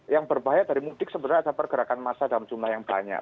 yang berbahaya dari mudik sebenarnya ada pergerakan massa dalam jumlah yang banyak